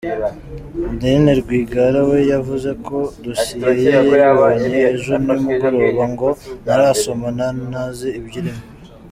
Adeline Rwigara we yavuze ko dosiye ye yayibonye ejo nimugoroba, ngo ntarasoma ntanazi ibiyirimo.